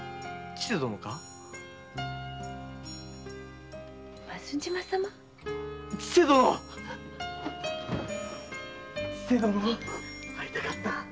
千勢殿会いたかった。